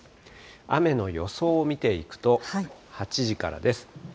雨の予想を見ていくと、８時からです。